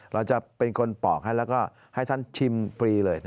เราจะเป็นคนปอกให้แล้วก็ให้ท่านชิมฟรีเลย